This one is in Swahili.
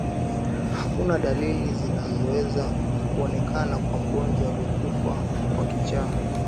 Hakuna dalili zinazoweza kuonekana kwa mgonjwa aliyekufa kwa kichaa